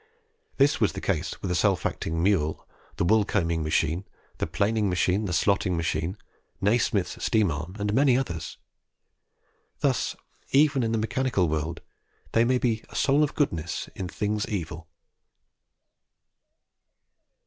This was the ease with the self acting mule, the wool combing machine, the planing machine, the slotting machine, Nasmyth's steam arm, and many others. Thus, even in the mechanical world, there may be "a soul of goodness in things evil."